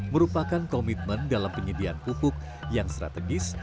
merupakan komitmen dalam penyediaan pupuk yang strategis